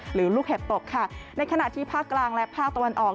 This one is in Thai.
ลูกเห็บตกค่ะในขณะที่ภาคกลางและภาคตะวันออก